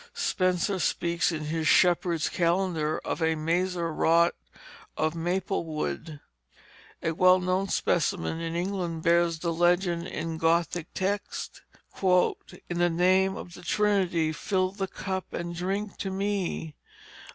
Spenser speaks in his Shepheard's Calendar of "a mazer yrought of the maple wood." A well known specimen in England bears the legend in Gothic text: "In the Name of the Trinitie Fille the kup and drinke to me."